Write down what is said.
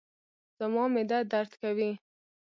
زما معده درد کوي